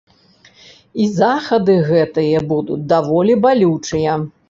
І захады гэтыя будуць даволі балючыя.